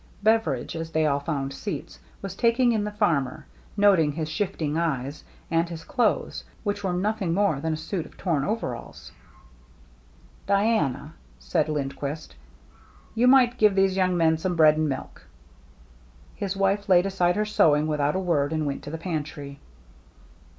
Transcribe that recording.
Beveridge, as they all found seats, was tak ing in the farmer, noting his shifting eyes, and his clothes, which were nothing more than a suit of torn overalls. " Diana," said Lindquist, " you might give these young men some bread and milk." 272 THE MERRT ANNE His wife laid aside her sewing without a word, and went to the pantry.